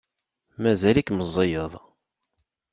Mazal-ik meẓẓiyeḍ.